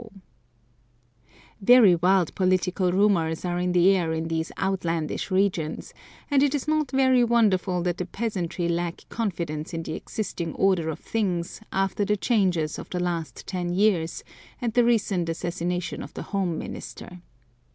] Very wild political rumours are in the air in these outlandish regions, and it is not very wonderful that the peasantry lack confidence in the existing order of things after the changes of the last ten years, and the recent assassination of the Home Minister.